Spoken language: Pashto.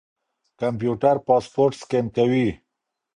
کمپيوټر پاسپورټ سکېن کوي.